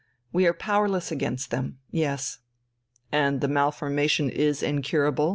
We are powerless against them. Yes." "And the malformation is incurable?